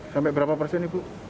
sampai berapa persen ibu